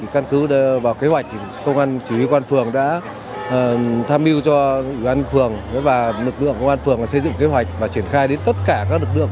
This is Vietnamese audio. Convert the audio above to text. căn cứ đã vào kế hoạch công an chỉ huy quán phường đã tham mưu cho quán phường và lực lượng quán phường xây dựng kế hoạch và triển khai đến tất cả các lực lượng